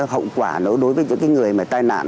hậu quả đối với những cái người mà tai nạn